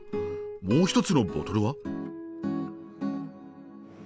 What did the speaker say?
もう一つのボトルは？